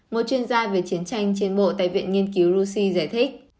một chuyên gia về chiến tranh trên bộ tại viện nhiên cứu rusi giải thích